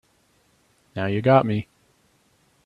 Now you got me.